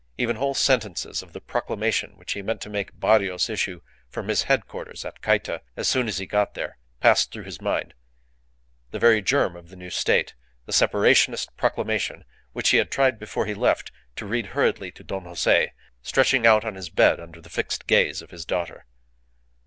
Even whole sentences of the proclamation which he meant to make Barrios issue from his headquarters at Cayta as soon as he got there passed through his mind; the very germ of the new State, the Separationist proclamation which he had tried before he left to read hurriedly to Don Jose, stretched out on his bed under the fixed gaze of his daughter.